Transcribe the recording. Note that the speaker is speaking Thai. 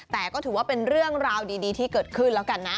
แต่ก็ถือว่าเป็นเรื่องราวดีที่เกิดขึ้นแล้วกันนะ